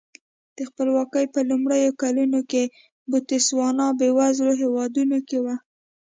د خپلواکۍ په لومړیو کلونو کې بوتسوانا بېوزلو هېوادونو کې و.